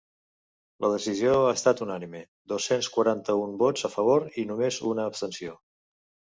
La decisió ha estat unànime: dos-cents quaranta-un vots a favor i només una abstenció.